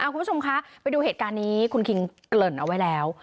คุณผู้ชมคะไปดูเหตุการณ์นี้คุณคิงเกริ่นเอาไว้แล้ว